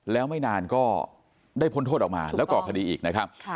แล้วไม่นานก็ได้พ้นโทษออกมาแล้วก่อคดีอีกนะครับ